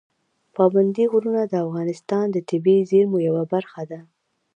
پابندي غرونه د افغانستان د طبیعي زیرمو یوه برخه ده.